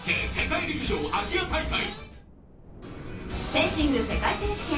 フェンシング世界選手権。